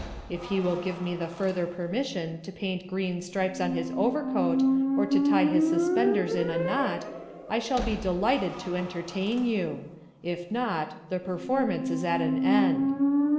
If he will give me the further permission to paint green stripes on his overcoat, or to tie his suspenders in a knot, I shall be delighted to entertain you. If not, the performance is at an end."